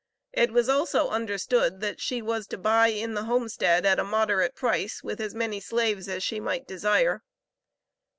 It was also understood that she was to buy in the homestead at a moderate price, with as many slaves as she might desire.